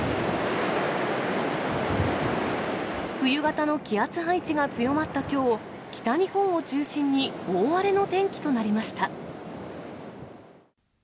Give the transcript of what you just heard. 冬型の気圧配置が強まったきょう、北日本を中心に大荒れの天気となりました。